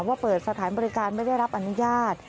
ว่าเปิดสถานบริการไม่ได้รับอนุญาต